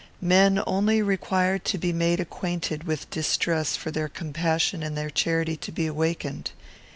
Men only require to be made acquainted with distress for their compassion and their charity to be awakened.